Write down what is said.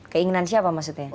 keinginan siapa maksudnya